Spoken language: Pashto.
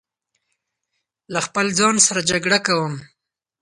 له خپل ځان سره جګړه کوم